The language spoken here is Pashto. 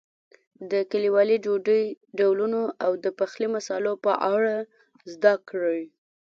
د کلیوالي ډوډۍ ډولونو او د پخلي مسالو په اړه زده کړئ.